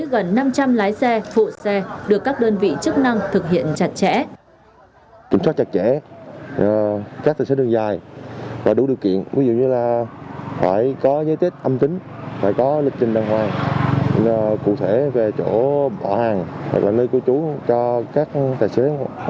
gần năm trăm linh lái xe phụ xe được các đơn vị chức năng thực hiện chặt chẽ